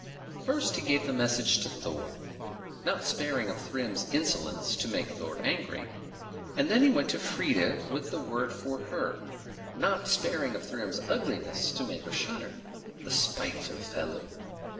First he gave the message to Thor, not sparing of Thrym's insolence, to make Thor angry; and then he went to Freia with the word for her, not sparing of Thrym's ugliness, to make her shudder. The spiteful fellow!